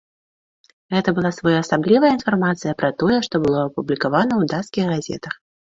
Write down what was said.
Гэта была своеасаблівая інфармацыя пра тое, што было апублікавана ў дацкіх газетах.